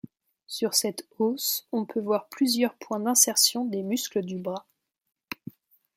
Sur cet os on peut voir plusieurs points d’insertion des muscles du bras.